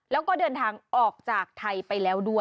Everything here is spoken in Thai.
แล้วก็เดินทางออกจากไทยไปแล้วด้วย